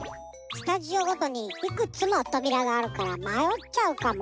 スタジオごとにいくつもとびらがあるからまよっちゃうかも。